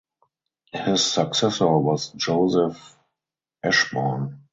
His successor was Joseph Eschborn.